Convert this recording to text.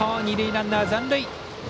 二塁ランナー、残塁。